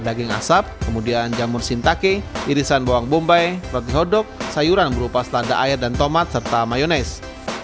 daging asap kemudian jamur sintake irisan bawang bombay roti hodok sayuran berupa selada air dan tomat serta mayonese